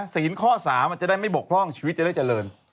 ศีลข้อ๓มันจะได้ไม่บกพร่องชีวิตจะได้เจริญ